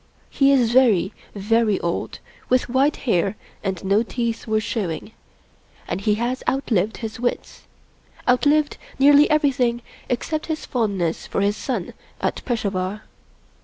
He is very, very old, with white hair and no teeth worth showing, and he has out lived his wits — outlived nearly everything except his fond ness for his son at Peshawar.